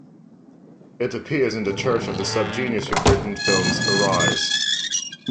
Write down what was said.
It appears in the Church of the SubGenius recruitment film Arise!